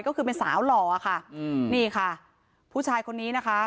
ก็คือเป็นสาวหล่อค่ะอืมนี่ค่ะผู้ชายคนนี้นะคะ